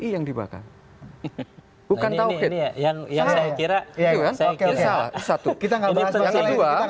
yang dibakar bukan tahu ini ya yang yang saya kira ya salah satu kita nggak bahas yang kedua